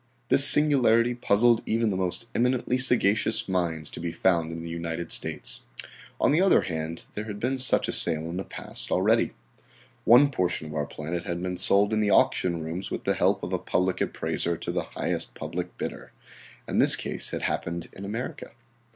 This singularity puzzled even the most eminently sagacious minds to be found in the United States. On the other hand, there had been such a sale in the past already. One portion of our planet had been sold in the auction rooms with the help of a public appraiser to the highest public bidder. And this case had happened in America.